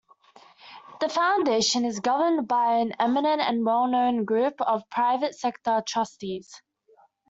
The Foundation is governed by an eminent and well-known group of private sector trustees.